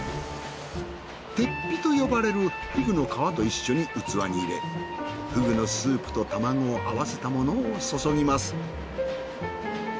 てっぴと呼ばれるふぐの皮と一緒に器に入れふぐのスープと卵を合わせたものを注ぎます。